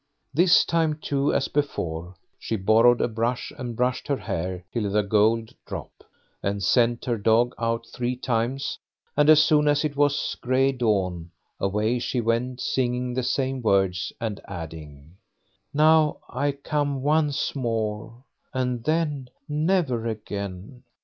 This time, too, as before, she borrowed a brush, and brushed her hair till the gold dropped, and sent her dog out three times, and as soon as it was gray dawn, away she went singing the same words, and adding: "Now I come once more, and then never again."